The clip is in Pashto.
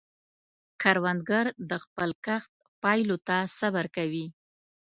کروندګر د خپل کښت پایلو ته صبر کوي